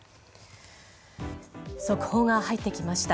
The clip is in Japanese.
速報が入ってきました。